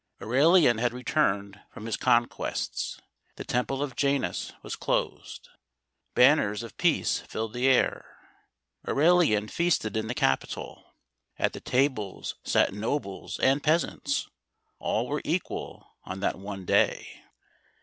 Aurelian had returned from his con quests. The Temple of Janus was closed ; banners of peace filled the air. Aurelian feasted in the Capitol. At the tables sat nobles and peasants ; all were equal on that one day.